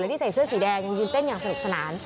ที่ใส่เสื้อสีแดงยืนเต้นอย่างสนุกสนาน